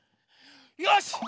よし！